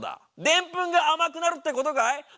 デンプンが甘くなるってことかい？